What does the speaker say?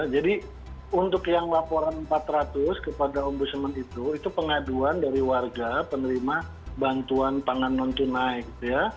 jadi untuk yang laporan empat ratus kepada ombudsman itu itu pengaduan dari warga penerima bantuan pangan non tunai